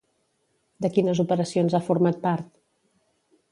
De quines operacions ha format part?